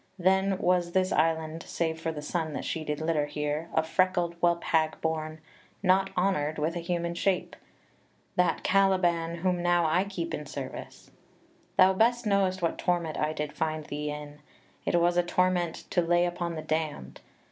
. Then was this island Save for the son that she did litter here, A freckled whelp hag born not honor'd with A human shape .. .that Caliban Whom now I keep in service. Thou best know'st What torment I did find thee in, .. it was a torment To lay upon the damn'd